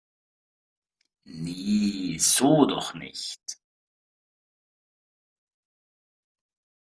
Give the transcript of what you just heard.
Nee, so doch nicht